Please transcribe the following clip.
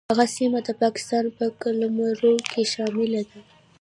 هغه سیمه د پاکستان په قلمرو کې شامله ده.